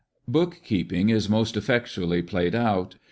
Book keeping is most effectually played out.